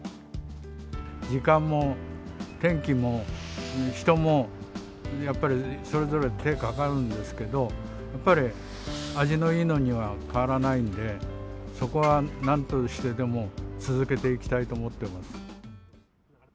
時間も天気も人もやっぱりそれぞれ手かかるんですけど、やっぱり、味のいいのには変わらないんで、そこはなんとしてでも続けていきたいと思っております。